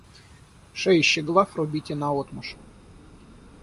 Шеищи глав рубите наотмашь!